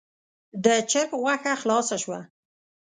د چرګ غوښه خلاصه شوه.